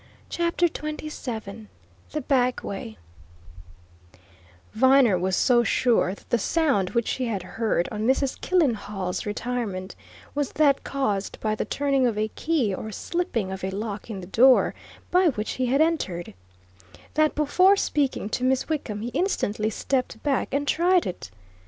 CHAPTER XXVII THE BACK WAY Viner was so sure that the sound which he had heard on Mrs. Killenhall's retirement was that caused by the turning of a key or slipping of a lock in the door by which he had entered, that before speaking to Miss Wickham he instantly stepped back and tried it.